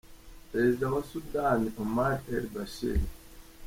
Perezida wa Sudan, Omar El Bashir